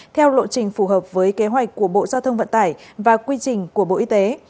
theo lộ trình phù hợp với kế hoạch của bộ giao thông vận tải và quy trình của bộ y tế